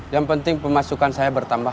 yang penting pemasukan saya bertambah